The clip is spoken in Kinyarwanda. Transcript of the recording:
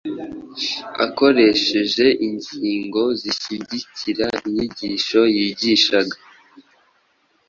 akoresheje ingingo zishyigikira inyigisho yigishaga.